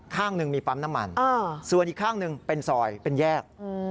ข้างหนึ่งมีปั๊มน้ำมันส่วนอีกข้างหนึ่งเป็นซอยเป็นแยก